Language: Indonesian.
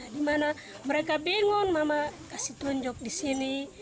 dimana mereka bingung mama kasih tunjuk di sini